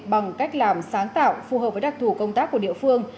bằng cách làm sáng tạo phù hợp với đặc thù công tác của địa phương